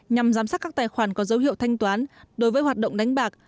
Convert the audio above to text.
nhằm giám sát các tài khoản có dấu hiệu thanh toán đối với hoạt động đánh bạc